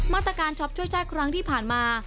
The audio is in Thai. มาตรการช็อปช่วยชาติครั้งที่ผ่านมา